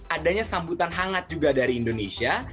adanya sambutan hangat juga dari indonesia